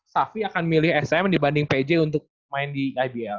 safi akan milih sm dibanding pj untuk main di ibl